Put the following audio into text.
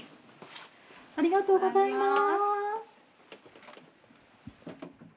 ありがとうございます。